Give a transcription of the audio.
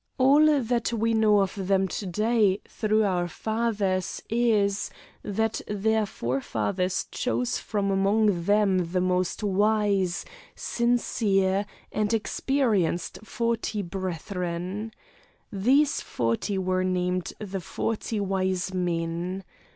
All that we know of them to day, through our fathers, is that their forefathers chose from among them the most wise, sincere, and experienced forty brethren. These forty were named the Forty Wise Men.